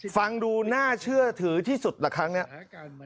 ฟังดูน่าเชื่อถือที่สุดละครั้งนี้